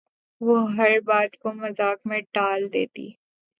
وہ ہر بات کو مذاق میں ٹال دیتی